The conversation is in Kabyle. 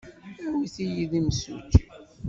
Awit-iyi-d imsujji.